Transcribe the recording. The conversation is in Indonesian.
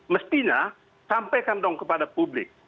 mestinya sampaikan dong kepada publik